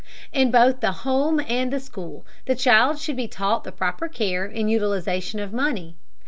In both the home and the school the child should be taught the proper care and utilization of money.